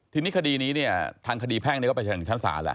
ทีนี้คดีนี้เนี่ยทางคดีแพ่งไปชั้นศาล